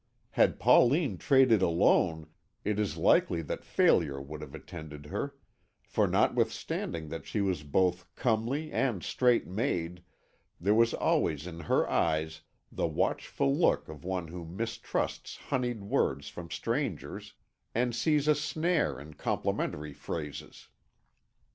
Had Pauline traded alone it is likely that failure would have attended her, for notwithstanding that she was both comely and straight made, there was always in her eyes the watchful look of one who mistrusts honeyed words from strangers, and sees a snare in complimentary phrases.